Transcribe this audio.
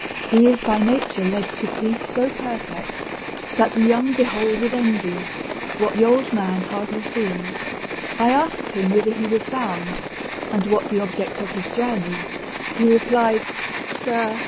He is by nature led To peace so perfect, that the young behold With envy, what the old man hardly feels. —I asked him whither he was bound, and what The object of his journey; he replied "Sir!